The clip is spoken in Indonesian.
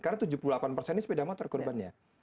karena tujuh puluh delapan persen ini sepeda motor korbannya